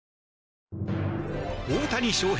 大谷翔平